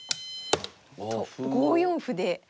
５四歩で。